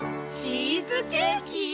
チーズケーキ！